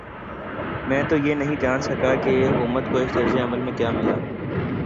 میں تو یہ نہیں جان سکا کہ حکومت کو اس طرز عمل سے کیا ملا؟